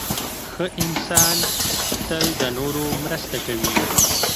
• ښه انسان تل د نورو مرسته کوي.